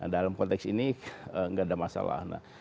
dalam konteks ini nggak ada masalah